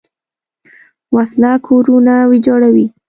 وسله کورونه ویجاړوي